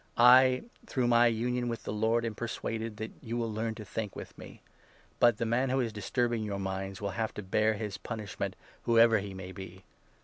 I, through my union with the Lord, 10 am persuaded that you will learn to think with me. But the man who is disturbing your minds will have to bear his punish ment, whoever he may be.